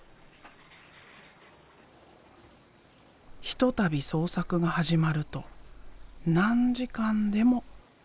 ひとたび創作が始まると何時間でも。